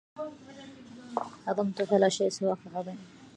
عظمت فلا شيء سواك عظيم